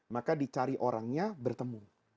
maka dicari orangnya bertemu